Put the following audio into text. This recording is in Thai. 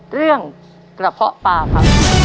เรื่องกระเพาะปลาครับ